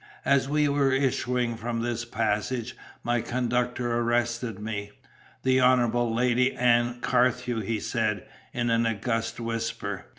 As we were issuing from this passage, my conductor arrested me. "The Honourable Lady Ann Carthew," he said, in an august whisper.